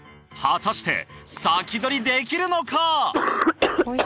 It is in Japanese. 果たして先取りできるのか？